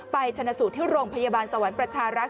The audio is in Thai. ชนะสูตรที่โรงพยาบาลสวรรค์ประชารักษ์